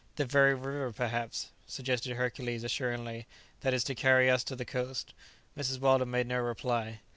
"The very river, perhaps," suggested Hercules assuringly, "that is to carry us to the coast." Mrs. Weldon made no reply.